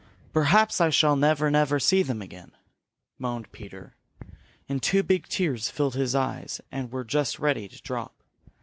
"Perhaps I shall never, never see them again," moaned Peter, and two big tears filled his eyes and were just ready to drop.